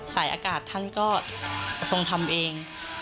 สายอากาศท่านก็ทรงทำเอง